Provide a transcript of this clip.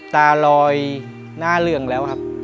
ตาลอยหน้าเหลืองแล้วครับ